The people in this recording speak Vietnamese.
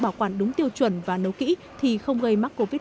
bảo quản đúng tiêu chuẩn và nấu kỹ thì không gây mắc covid một mươi